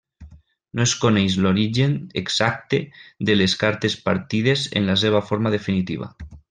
No es coneix l'origen exacte de les cartes partides en la seva forma definitiva.